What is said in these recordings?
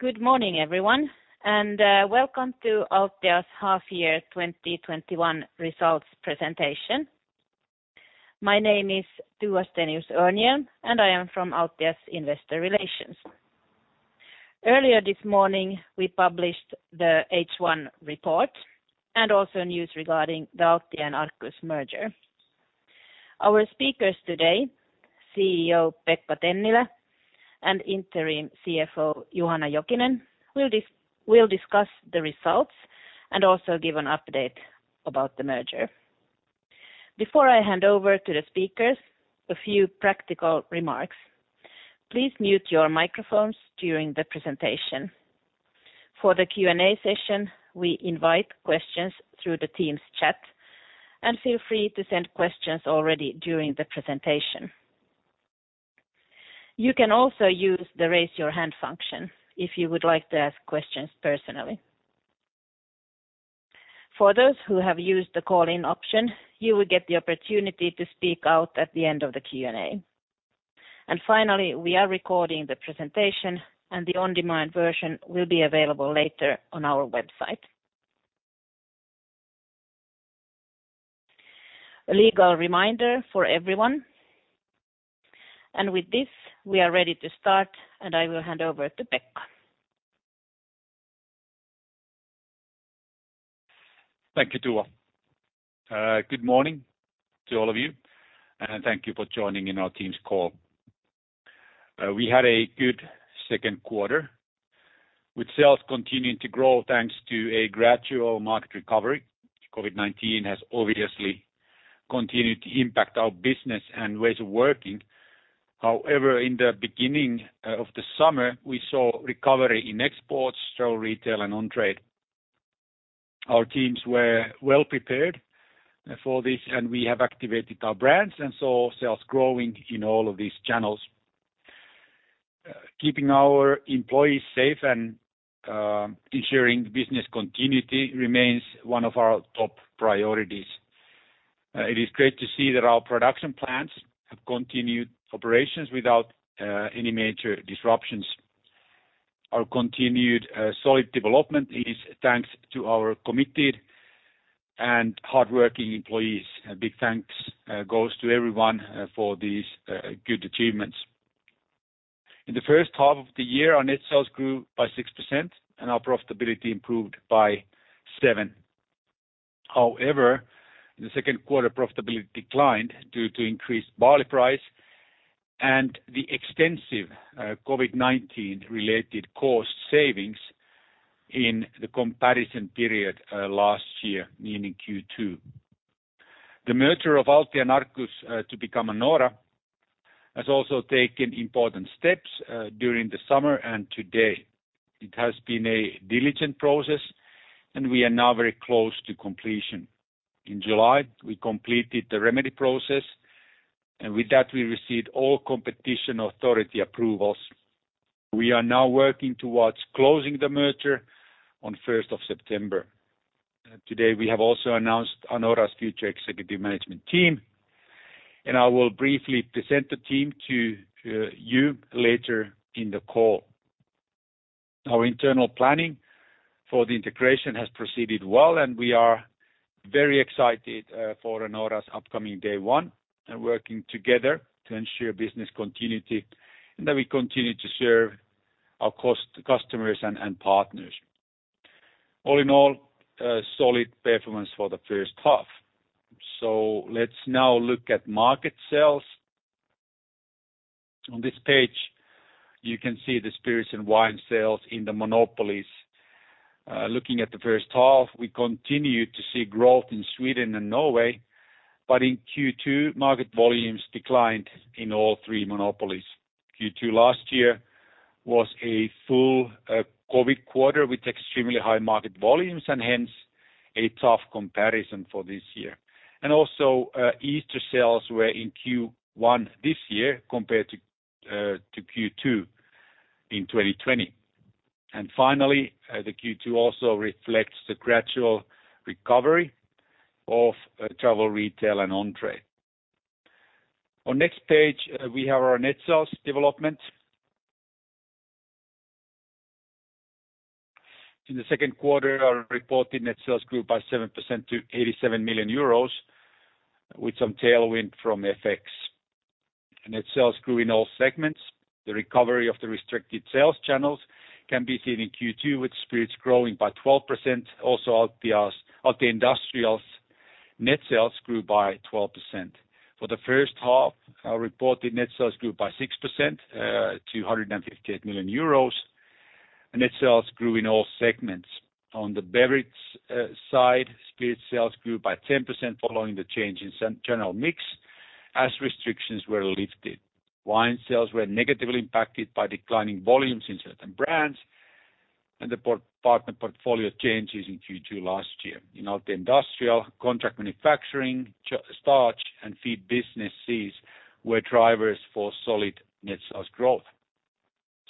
Good morning, everyone, and welcome to Altia's Half-Year 2021 Results Presentation. My name is Tua Stenius-Örnhjelm, and I am from Altia's Investor Relations. Earlier this morning, we published the H1 report and also news regarding the Altia and Arcus merger. Our speakers today, CEO Pekka Tennilä and Interim CFO Juhana Jokinen, will discuss the results and also give an update about the merger. Before I hand over to the speakers, a few practical remarks. Please mute your microphones during the presentation. For the Q&A session, we invite questions through the Teams chat, and feel free to send questions already during the presentation. You can also use the Raise Your Hand function if you would like to ask questions personally. For those who have used the call-in option, you will get the opportunity to speak out at the end of the Q&A. Finally, we are recording the presentation, and the on-demand version will be available later on our website. A legal reminder for everyone. With this, we are ready to start, and I will hand over to Pekka. Thank you, Tua. Good morning to all of you, and thank you for joining in our Teams call. We had a good second quarter with sales continuing to grow thanks to a gradual market recovery. COVID-19 has obviously continued to impact our business and ways of working. However, in the beginning of the summer, we saw recovery in exports, travel retail, and on-trade. Our teams were well-prepared for this, and we have activated our brands and saw sales growing in all of these channels. Keeping our employees safe and ensuring business continuity remains one of our top priorities. It is great to see that our production plants have continued operations without any major disruptions. Our continued solid development is thanks to our committed and hardworking employees. A big thanks goes to everyone for these good achievements. In the first half of the year, our net sales grew by 6% and our profitability improved by 7%. In the second quarter, profitability declined due to increased barley price and the extensive COVID-19-related cost savings in the comparison period last year, meaning Q2. The merger of Altia and Arcus to become Anora has also taken important steps during the summer and today. It has been a diligent process, and we are now very close to completion. In July, we completed the remedy process, and with that, we received all competition authority approvals. We are now working towards closing the merger on the 1st of September. Today, we have also announced Anora's future executive management team, I will briefly present the team to you later in the call. Our internal planning for the integration has proceeded well, and we are very excited for Anora's upcoming day one and working together to ensure business continuity and that we continue to serve our customers and partners. All in all, a solid performance for the first half. Let's now look at market sales. On this page, you can see the spirits and wine sales in the monopolies. Looking at the first half, we continued to see growth in Sweden and Norway, but in Q2, market volumes declined in all three monopolies. Q2 last year was a full COVID quarter with extremely high market volumes, and hence, a tough comparison for this year. Also, Easter sales were in Q1 this year compared to Q2 in 2020. Finally, the Q2 also reflects the gradual recovery of travel retail and on-trade. On next page, we have our net sales development. In the second quarter, our reported net sales grew by 7% to 87 million euros with some tailwind from FX. Net sales grew in all segments. The recovery of the restricted sales channels can be seen in Q2, with spirits growing by 12%. Altia Industrial's net sales grew by 12%. For the first half, our reported net sales grew by 6% to 158 million euros. Net sales grew in all segments. On the beverage side, spirit sales grew by 10% following the change in channel mix as restrictions were lifted. Wine sales were negatively impacted by declining volumes in certain brands and the partner portfolio changes in Q2 last year. In Altia Industrial, contract manufacturing, starch, and feed businesses were drivers for solid net sales growth.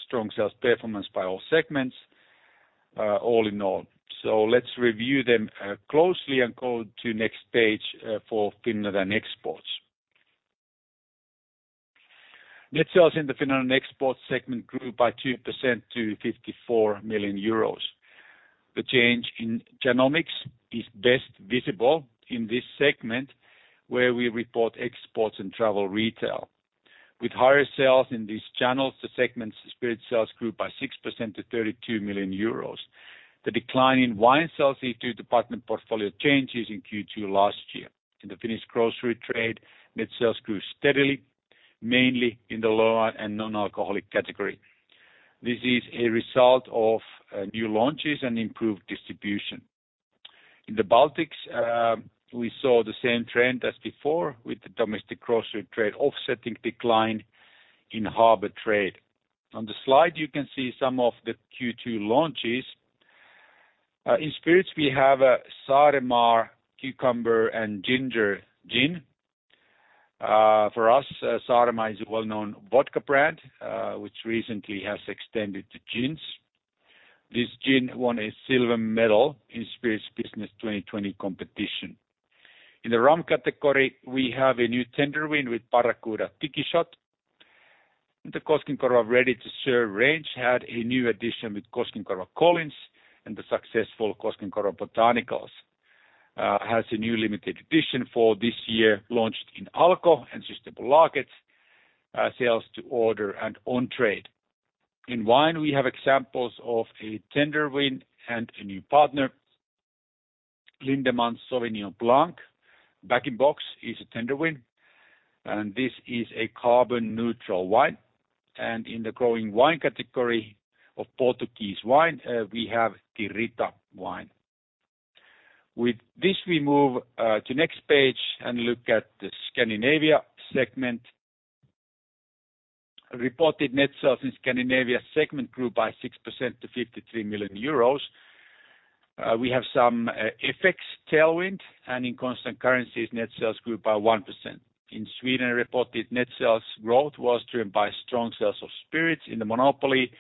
Strong sales performance by all segments. All in all. Let's review them closely and go to next page for Finland exports. Net sales in the Finland export segment grew by 2% to 54 million euros. The change in channel mix is best visible in this segment, where we report exports and travel retail. With higher sales in these channels, the segment spirit sales grew by 6% to 32 million euros. The decline in wine sales due to partner portfolio changes in Q2 last year. In the Finnish grocery trade, net sales grew steadily, mainly in the low and non-alcoholic category. This is a result of new launches and improved distribution. In the Baltics, we saw the same trend as before with the domestic grocery trade offsetting decline in harbor trade. On the slide, you can see some of the Q2 launches. In spirits, we have Saaremaa Cucumber and Ginger Gin. For us, Saaremaa is a well-known vodka brand, which recently has extended to gins. This gin won a silver medal in Spirits Business 2020 competition. In the rum category, we have a new tender win with Barracuda Tiki Shot. The Koskenkorva ready-to-serve range had a new addition with Koskenkorva Collins, and the successful Koskenkorva Botanicals has a new limited edition for this year, launched in Alko and Systembolaget, sales to order and on-trade. In wine, we have examples of a tender win and a new partner. Lindeman's Sauvignon Blanc bag-in-box is a tender win, and this is a carbon-neutral wine. In the growing wine category of Portuguese wine, we have Touriga wine. With this, we move to next page and look at the Scandinavia segment. Reported net sales in Scandinavia segment grew by 6% to 53 million euros. We have some FX tailwind, in constant currencies, net sales grew by 1%. In Sweden, reported net sales growth was driven by strong sales of spirits in the monopoly,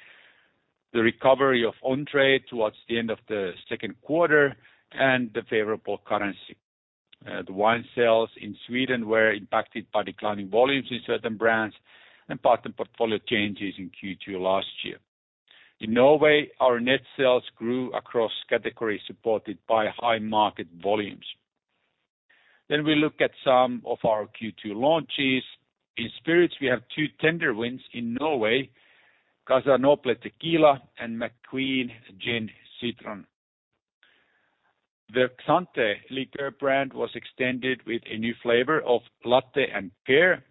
the recovery of on-trade towards the end of the second quarter, and the favorable currency. The wine sales in Sweden were impacted by declining volumes in certain brands and partner portfolio changes in Q2 last year. In Norway, our net sales grew across categories supported by high market volumes. We look at some of our Q2 launches. In spirits, we have two tender wins in Norway, Casa Noble Tequila and McQueen and the Violet Fog Gin. The Xanté liqueur brand was extended with a new flavor of latte and pear.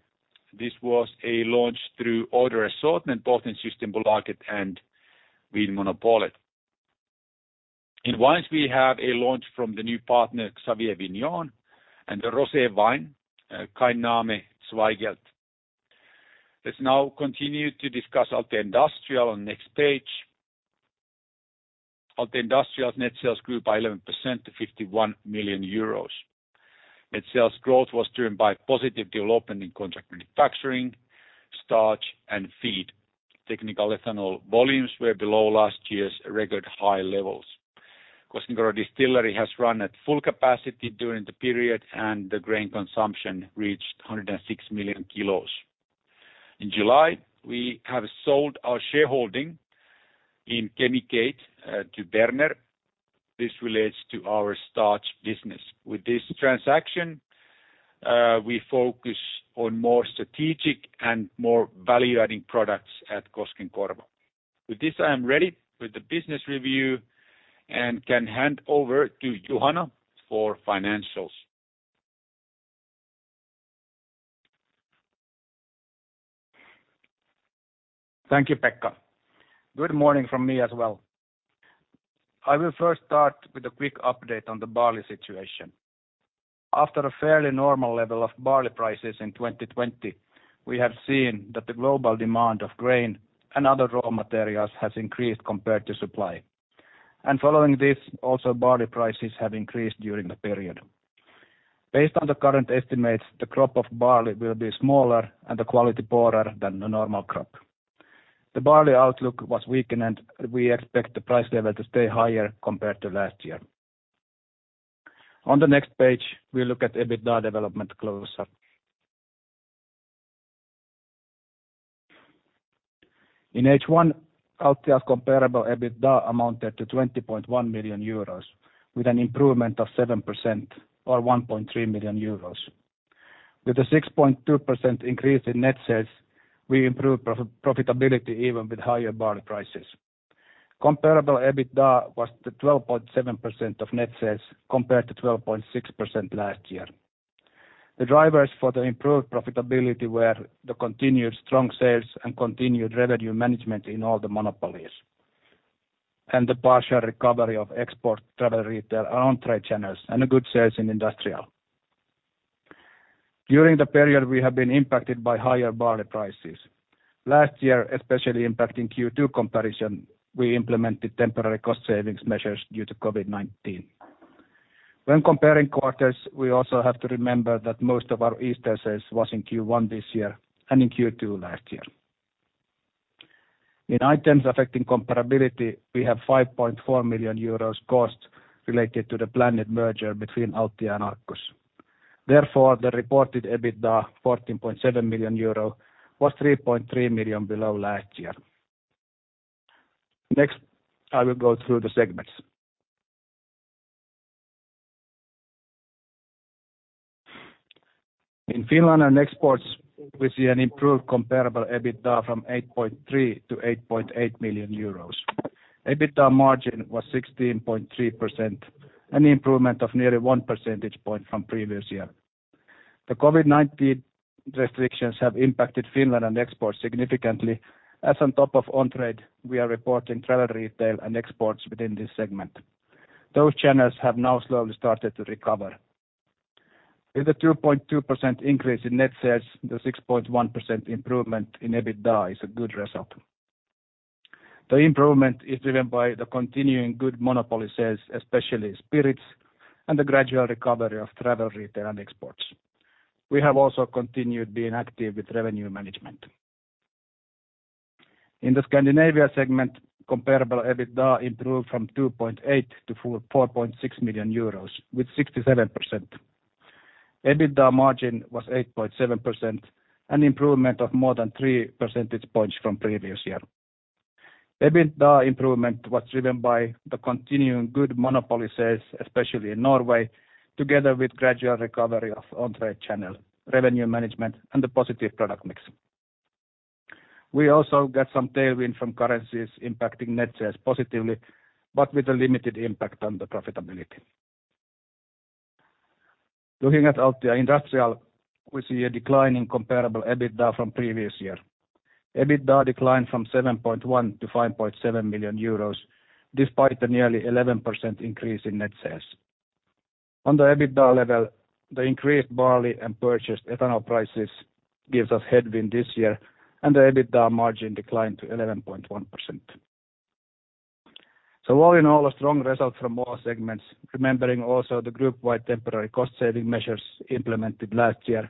This was a launch through order assortment, both in Systembolaget and Vinmonopolet. In wines, we have a launch from the new partner, Xavier Vignon, and the rosé wine, Kein Name 2018. Let's now continue to discuss Altia Industrial on next page. Altia Industrial's net sales grew by 11% to 51 million euros. Net sales growth was driven by positive development in contract manufacturing, starch, and feed. Technical ethanol volumes were below last year's record high levels. Koskenkorva distillery has run at full capacity during the period, and the grain consumption reached 106 million kilos. In July, we have sold our shareholding in Chemigate to Berner. This relates to our starch business. With this transaction, we focus on more strategic and more value-adding products at Koskenkorva. With this, I am ready with the business review and can hand over to Juhana for financials. Thank you, Pekka. Good morning from me as well. I will first start with a quick update on the barley situation. After a fairly normal level of barley prices in 2020, we have seen that the global demand of grain and other raw materials has increased compared to supply. Following this, also barley prices have increased during the period. Based on the current estimates, the crop of barley will be smaller and the quality poorer than the normal crop. The barley outlook was weakened, and we expect the price level to stay higher compared to last year. On the next page, we look at EBITDA development closer. In H1, Altia's comparable EBITDA amounted to 20.1 million euros, with an improvement of 7% or 1.3 million euros. With a 6.2% increase in net sales, we improved profitability even with higher barley prices. Comparable EBITDA was to 12.7% of net sales compared to 12.6% last year. The drivers for the improved profitability were the continued strong sales and continued revenue management in all the monopolies, and the partial recovery of export, travel retail, and on-trade channels, and good sales in industrial. During the period, we have been impacted by higher barley prices. Last year, especially impacting Q2 comparison, we implemented temporary cost-savings measures due to COVID-19. When comparing quarters, we also have to remember that most of our Easter sales was in Q1 this year and in Q2 last year. In items affecting comparability, we have 5.4 million euros cost related to the planned merger between Altia and Arcus. The reported EBITDA 14.7 million euro was 3.3 million below last year. I will go through the segments. In Finland and exports, we see an improved comparable EBITDA from 8.3 million-8.8 million euros. EBITDA margin was 16.3%, an improvement of nearly 1 percentage point from previous year. The COVID-19 restrictions have impacted Finland and exports significantly, as on top of on-trade, we are reporting travel retail and exports within this segment. Those channels have now slowly started to recover. With a 2.2% increase in net sales, the 6.1% improvement in EBITDA is a good result. The improvement is driven by the continuing good monopoly sales, especially spirits, and the gradual recovery of travel retail and exports. We have also continued being active with revenue management. In the Scandinavia segment, comparable EBITDA improved from 2.8 million-4.6 million euros with 67%. EBITDA margin was 8.7%, an improvement of more than 3 percentage points from previous year. EBITDA improvement was driven by the continuing good monopoly sales, especially in Norway, together with gradual recovery of on-trade channel revenue management and the positive product mix. We also got some tailwind from currencies impacting net sales positively, but with a limited impact on the profitability. Looking at Altia Industrial, we see a decline in comparable EBITDA from previous year. EBITDA declined from 7.1 million to 5.7 million euros, despite a nearly 11% increase in net sales. On the EBITDA level, the increased barley and purchased ethanol prices gives us headwind this year, and the EBITDA margin declined to 11.1%. All in all, a strong result from all segments, remembering also the group-wide temporary cost-saving measures implemented last year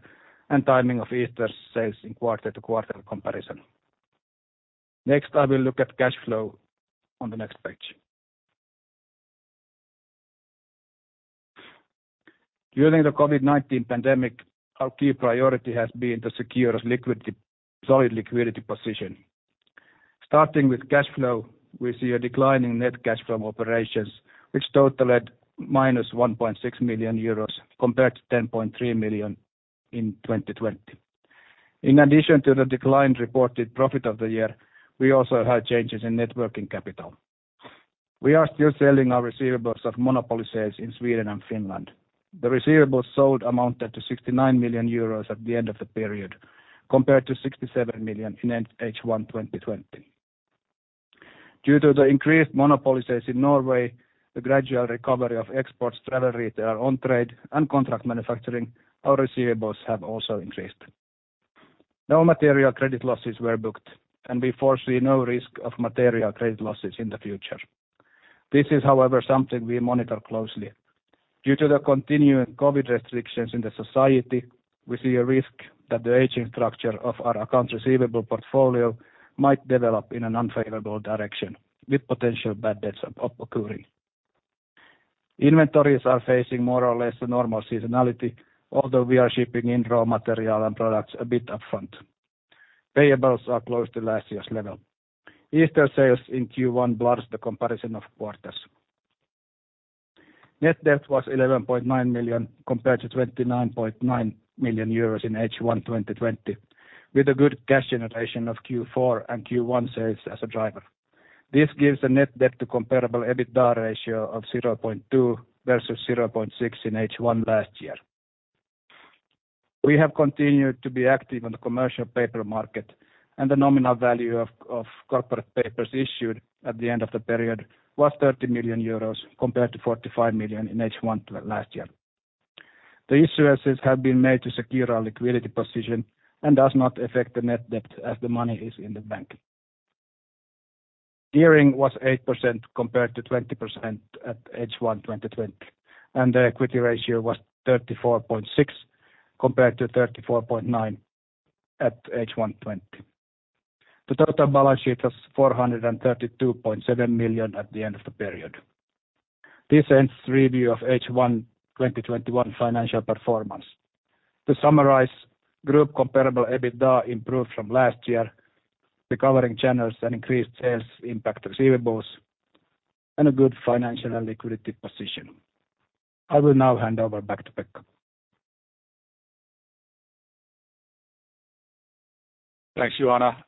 and timing of Easter sales in quarter-to-quarter comparison. Next, I will look at cash flow on the next page. During the COVID-19 pandemic, our key priority has been to secure a solid liquidity position. Starting with cash flow, we see a decline in net cash from operations, which totaled -1.6 million euros compared to 10.3 million in 2020. In addition to the declined reported profit of the year, we also had changes in net working capital. We are still selling our receivables of monopoly sales in Sweden and Finland. The receivables sold amounted to 69 million euros at the end of the period, compared to 67 million in H1 2020. Due to the increased monopoly sales in Norway, the gradual recovery of exports, travel retail, on-trade, and contract manufacturing, our receivables have also increased. No material credit losses were booked, and we foresee no risk of material credit losses in the future. This is, however, something we monitor closely. Due to the continuing COVID restrictions in the society, we see a risk that the aging structure of our accounts receivable portfolio might develop in an unfavorable direction with potential bad debts occurring. Inventories are facing more or less normal seasonality, although we are shipping in raw material and products a bit upfront. Payables are close to last year's level. Easter sales in Q1 blurs the comparison of quarters. Net debt was 11.9 million compared to 29.9 million euros in H1 2020, with a good cash generation of Q4 and Q1 sales as a driver. This gives a net debt to comparable EBITDA ratio of 0.2 versus 0.6 in H1 last year. We have continued to be active on the commercial paper market, and the nominal value of corporate papers issued at the end of the period was 30 million euros compared to 45 million in H1 last year. The issuances have been made to secure our liquidity position and does not affect the net debt as the money is in the bank. Gearing was 8% compared to 20% at H1 2020, and the equity ratio was 34.6 compared to 34.9 at H1 2020. The total balance sheet was 432.7 million at the end of the period. This ends review of H1 2021 financial performance. To summarize, group comparable EBITDA improved from last year, recovering channels and increased sales impact receivables, and a good financial and liquidity position. I will now hand over back to Pekka. Thanks, Juhana.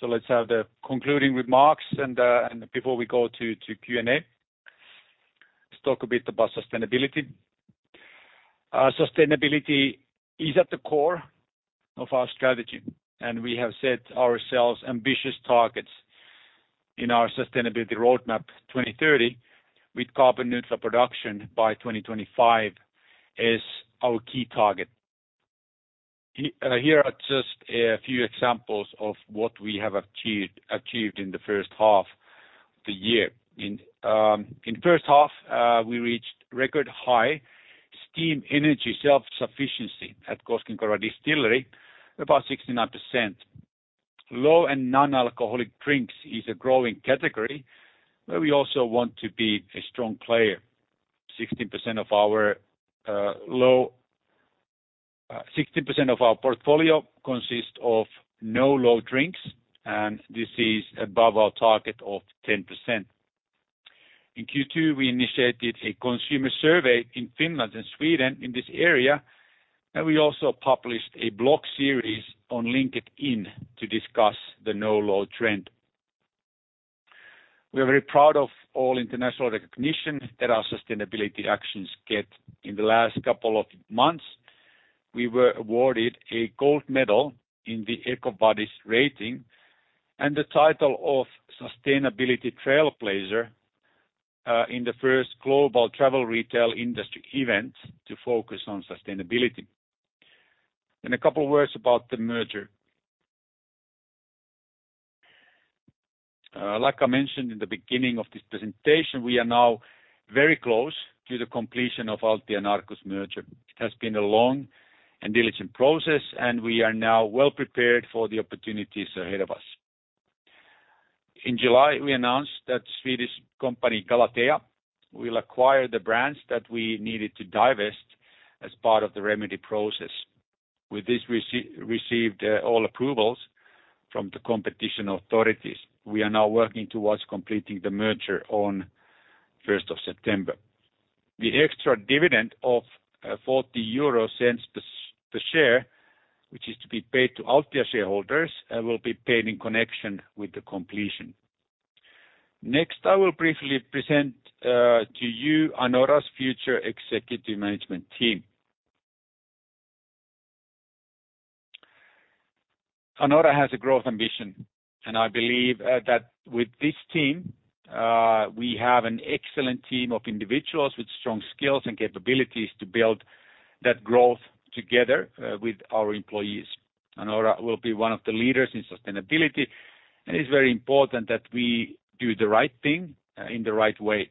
Let's have the concluding remarks, and before we go to Q&A, let's talk a bit about sustainability. Sustainability is at the core of our strategy, and we have set ourselves ambitious targets in our Sustainability Roadmap 2030 with carbon neutral production by 2025 as our key target. Here are just a few examples of what we have achieved in the first half of the year. In first half, we reached record high steam energy self-sufficiency at Koskenkorva Distillery, about 69%. Low and non-alcoholic drinks is a growing category where we also want to be a strong player. 60% of our portfolio consists of NoLo drinks, and this is above our target of 10%. In Q2, we initiated a consumer survey in Finland and Sweden in this area, and we also published a blog series on LinkedIn to discuss the NoLo trend. We are very proud of all international recognition that our sustainability actions get. In the last couple of months, we were awarded a gold medal in the EcoVadis rating and the title of Sustainability Trailblazer, in the first global travel retail industry event to focus on sustainability. A couple of words about the merger. Like I mentioned in the beginning of this presentation, we are now very close to the completion of Altia and Arcus merger. It has been a long and diligent process, and we are now well-prepared for the opportunities ahead of us. In July, we announced that Swedish company Galatea will acquire the brands that we needed to divest as part of the remedy process. With this, we received all approvals from the competition authorities. We are now working towards completing the merger on 1st of September. The extra dividend of 0.40 per share, which is to be paid to Altia shareholders, will be paid in connection with the completion. Next, I will briefly present to you Anora's future executive management team. Anora has a growth ambition. I believe that with this team, we have an excellent team of individuals with strong skills and capabilities to build that growth together with our employees. Anora will be one of the leaders in sustainability. It's very important that we do the right thing in the right way.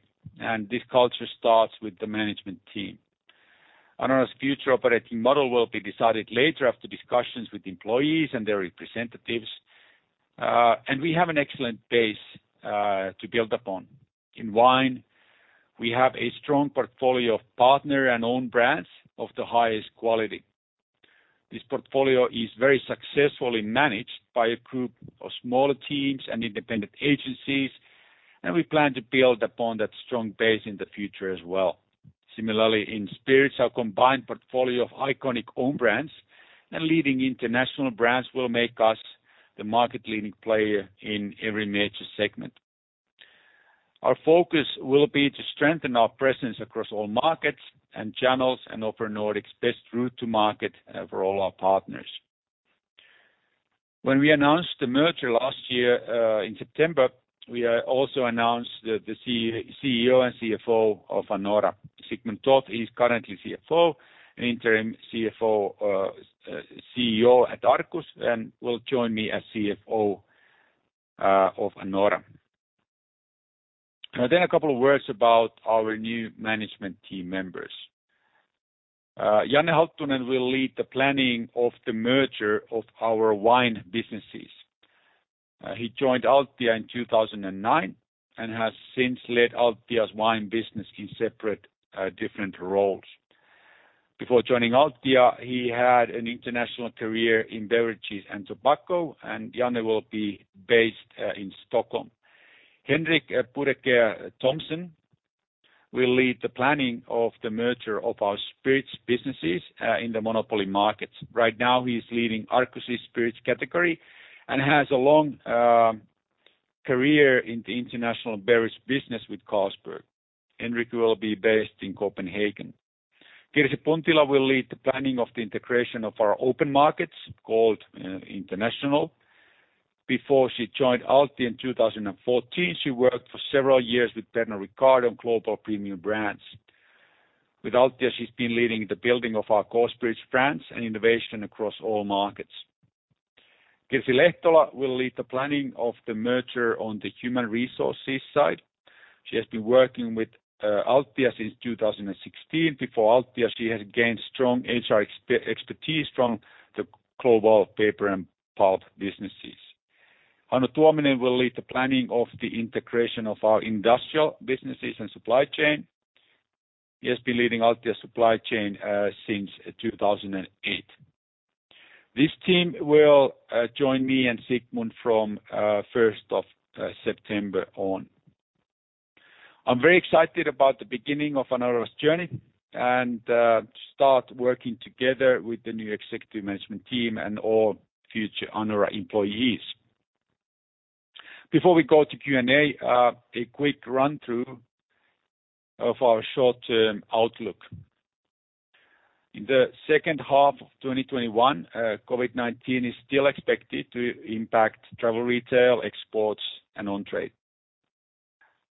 This culture starts with the management team. Anora's future operating model will be decided later after discussions with employees and their representatives. We have an excellent base to build upon. In wine, we have a strong portfolio of partner and own brands of the highest quality. This portfolio is very successfully managed by a group of smaller teams and independent agencies, and we plan to build upon that strong base in the future as well. Similarly, in spirits, our combined portfolio of iconic own brands and leading international brands will make us the market-leading player in every major segment. Our focus will be to strengthen our presence across all markets and channels and offer Nordic's best route to market for all our partners. When we announced the merger last year in September, we also announced the CEO and CFO of Anora. Sigmund Toth is currently CFO and Interim CEO at Arcus and will join me as CFO of Anora. A couple of words about our new management team members. Janne Halttunen will lead the planning of the merger of our wine businesses. He joined Altia in 2009 and has since led Altia's wine business in separate, different roles. Before joining Altia, he had an international career in beverages and tobacco. Janne Halttunen will be based in Stockholm. Henrik Bodekær Thomsen will lead the planning of the merger of our spirits businesses in the monopoly markets. Right now, he is leading Arcus' spirits category and has a long career in the international beverage business with Carlsberg. Henrik will be based in Copenhagen. Kirsi Puntila will lead the planning of the integration of our open markets, called International. Before she joined Altia in 2014, she worked for several years with Pernod Ricard on global premium brands. With Altia, she's been leading the building of our core spirits brands and innovation across all markets. Kirsi Lehtola will lead the planning of the merger on the human resources side. She has been working with Altia since 2016. Before Altia, she had gained strong HR expertise from the global paper and pulp businesses. Hannu Tuominen will lead the planning of the integration of our industrial businesses and supply chain. He has been leading Altia supply chain since 2008. This team will join me and Sigmund from 1st of September on. I'm very excited about the beginning of Anora's journey and to start working together with the new executive management team and all future Anora employees. Before we go to Q&A, a quick run-through of our short-term outlook. In the second half of 2021, COVID-19 is still expected to impact travel retail, exports, and on-trade.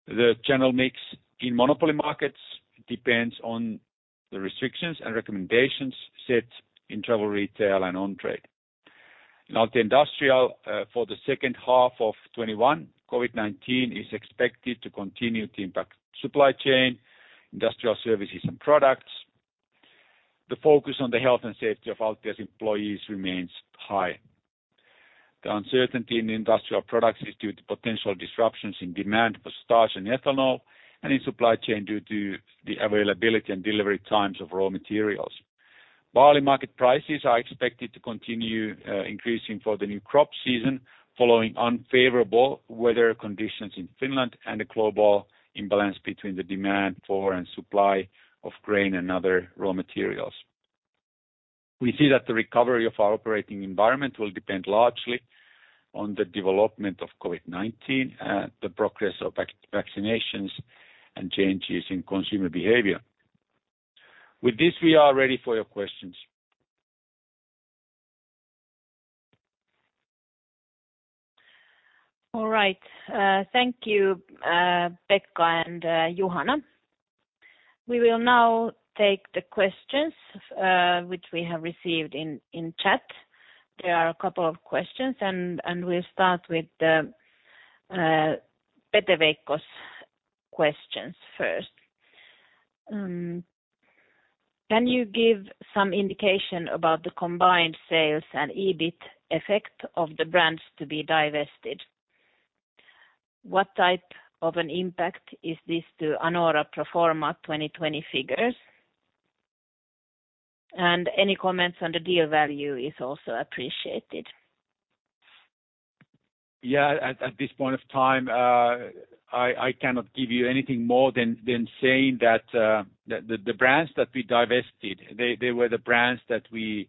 The channel mix in monopoly markets depends on the restrictions and recommendations set in travel retail and on-trade. In Altia Industrial, for the second half of 2021, COVID-19 is expected to continue to impact supply chain, industrial services, and products. The focus on the health and safety of Altia's employees remains high. The uncertainty in Industrial products is due to potential disruptions in demand for starch and ethanol, and in supply chain due to the availability and delivery times of raw materials. Barley market prices are expected to continue increasing for the new crop season, following unfavorable weather conditions in Finland and a global imbalance between the demand for and supply of grain and other raw materials. We see that the recovery of our operating environment will depend largely on the development of COVID-19, the progress of vaccinations, and changes in consumer behavior. With this, we are ready for your questions. All right. Thank you, Pekka and Juhana. We will now take the questions which we have received in chat. There are a couple of questions. We'll start with Pekka Vikkula's questions first. "Can you give some indication about the combined sales and EBIT effect of the brands to be divested? What type of an impact is this to Anora pro forma 2020 figures? Any comments on the deal value is also appreciated. Yeah, at this point of time, I cannot give you anything more than saying that the brands that we divested, they were the brands that we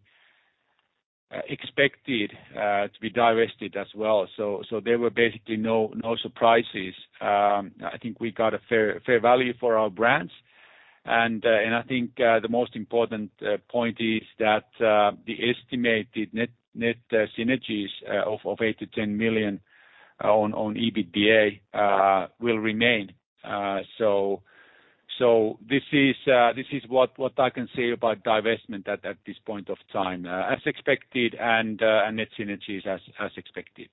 expected to be divested as well. There were basically no surprises. I think we got a fair value for our brands, and I think the most important point is that the estimated net synergies of 8 million-10 million on EBITDA will remain. This is what I can say about divestment at this point of time, as expected, and net synergies as expected.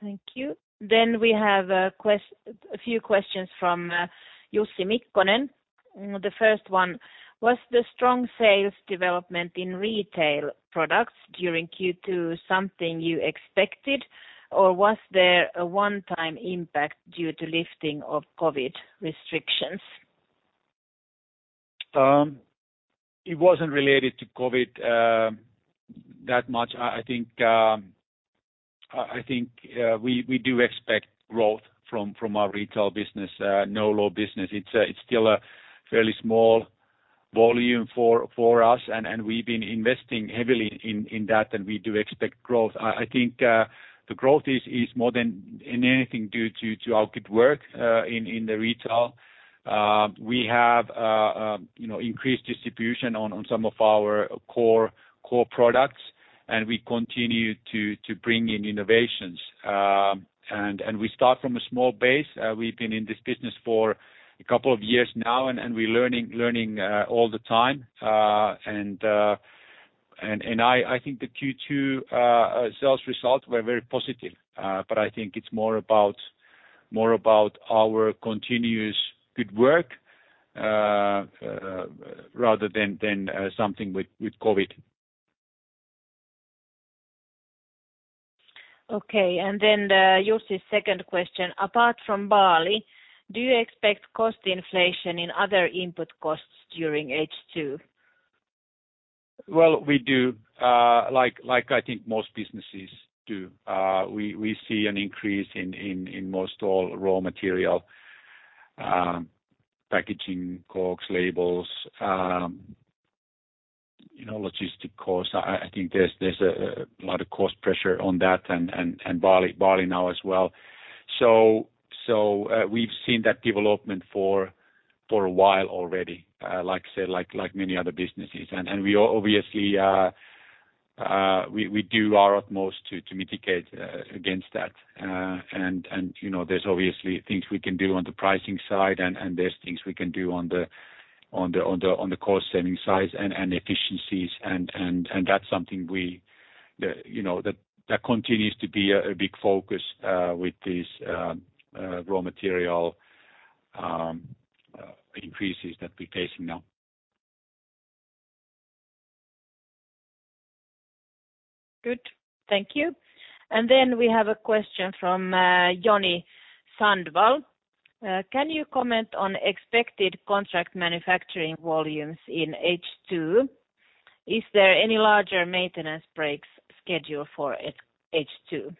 Thank you. We have a few questions from Jussi Mikkonen. The first one: "Was the strong sales development in retail products during Q2 something you expected, or was there a one-time impact due to lifting of COVID restrictions? It wasn't related to COVID that much. I think we do expect growth from our retail business, NoLo business. It's still a fairly small volume for us, and we've been investing heavily in that, and we do expect growth. I think the growth is more than anything due to our good work in the retail. We have increased distribution on some of our core products, and we continue to bring in innovations. We start from a small base. We've been in this business for a couple of years now, and we're learning all the time. I think the Q2 sales results were very positive, but I think it's more about our continuous good work rather than something with COVID. Okay, Jussi's second question: "Apart from barley, do you expect cost inflation in other input costs during H2? Well, we do, like I think most businesses do. We see an increase in most all raw material, packaging, corks, labels, logistic costs. I think there's a lot of cost pressure on that, and barley now as well. We've seen that development for a while already, like I said, like many other businesses. We obviously do our utmost to mitigate against that. There's obviously things we can do on the pricing side, and there's things we can do on the cost-saving side and efficiencies. That's something that continues to be a big focus with these raw material increases that we're facing now. Good. Thank you. We have a question from Johnny Sandvall. Can you comment on expected contract manufacturing volumes in H2? Is there any larger maintenance breaks scheduled for H2?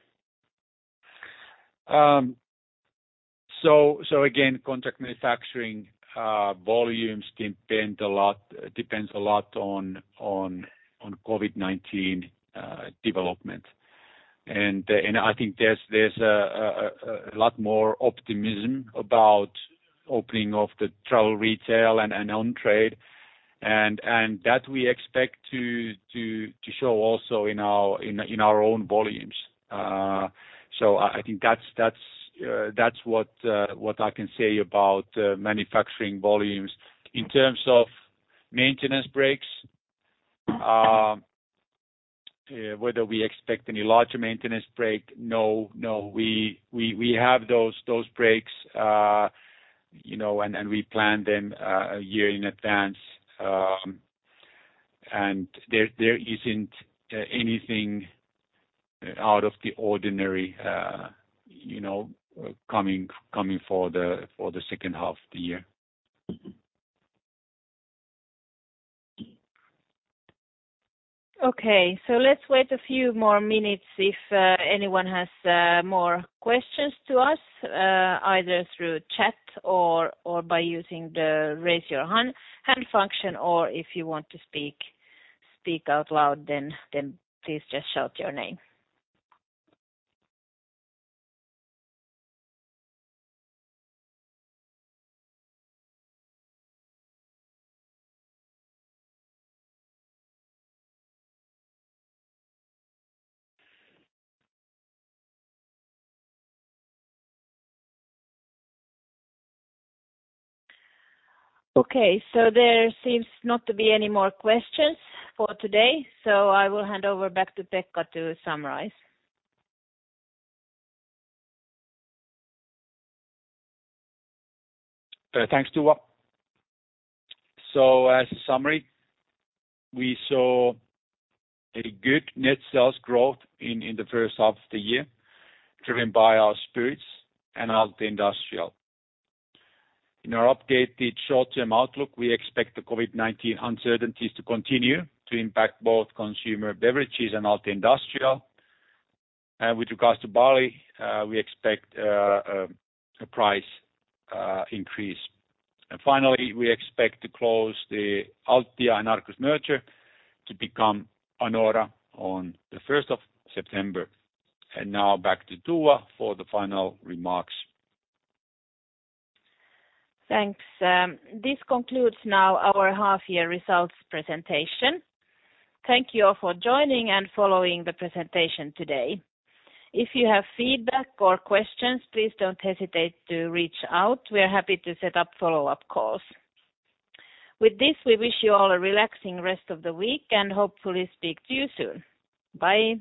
Again, contract manufacturing volumes depends a lot on COVID-19 development. I think there's a lot more optimism about opening of the travel retail and on-trade. That we expect to show also in our own volumes. I think that's what I can say about manufacturing volumes. In terms of maintenance breaks, whether we expect any larger maintenance break, no. We have those breaks, and we plan them a year in advance. There isn't anything out of the ordinary coming for the second half of the year. Okay. Let's wait a few more minutes if anyone has more questions to us, either through chat or by using the raise your hand function, or if you want to speak out loud, then please just shout your name. Okay, there seems not to be any more questions for today, so I will hand over back to Pekka to summarize. Thanks, Tua. As a summary, we saw a good net sales growth in the first half of the year driven by our spirits and Altia Industrial. In our updated short-term outlook, we expect the COVID-19 uncertainties to continue to impact both consumer beverages and Altia Industrial. With regards to barley, we expect a price increase. Finally, we expect to close the Altia and Arcus merger to become Anora on the 1st of September. Now back to Tua for the final remarks. Thanks. This concludes now our half-year results presentation. Thank you all for joining and following the presentation today. If you have feedback or questions, please don't hesitate to reach out. We are happy to set up follow-up calls. With this, we wish you all a relaxing rest of the week and hopefully speak to you soon. Bye.